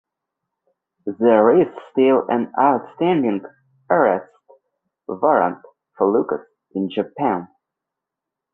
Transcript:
There is still an outstanding arrest warrant for Lucas in Japan.